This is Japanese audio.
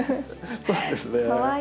そうですね。